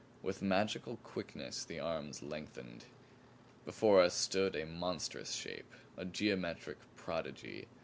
With magical quickness the arms lengthened. Before us stood a monstrous shape; a geometric prodigy.